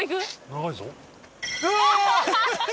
長いぞ。